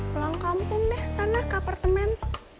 pulang kampung deh sana ke apartemen